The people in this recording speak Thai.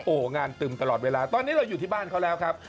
โอ้โหงานตึมตลอดเวลาตอนนี้เราอยู่ที่บ้านเขาแล้วครับ